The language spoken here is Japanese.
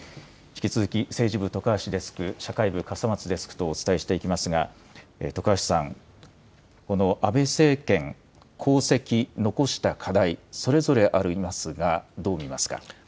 引き続き、政治部、徳橋デスク、社会部、笠松デスクとお伝えしていきますが、徳橋さん、この安倍政権、功績、残した課題、それぞれありますが、どう見ますか。